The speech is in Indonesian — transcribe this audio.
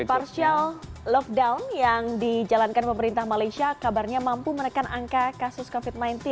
partial lockdown yang dijalankan pemerintah malaysia kabarnya mampu menekan angka kasus covid sembilan belas